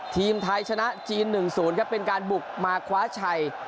ทีมไทยชนะจีนหนึ่งศูนย์ครับเป็นการบุกมาคว้าชัย